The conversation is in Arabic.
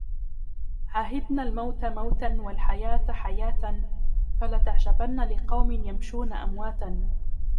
عهدنا الموت موتا و الحياة حياة ، فلتعجبن لقوم يمشون أمواتا.